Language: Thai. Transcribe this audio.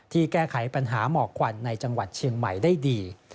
แก้ไขปัญหาหมอกควันในจังหวัดเชียงใหม่ได้ดี